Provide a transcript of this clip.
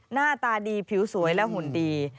หน้าตาดีผิวสวยและหุ่นดี